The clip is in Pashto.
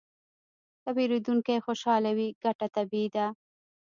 که پیرودونکی خوشحاله وي، ګټه طبیعي ده.